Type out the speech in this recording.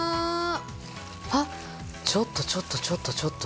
あっちょっとちょっとちょっとちょっと。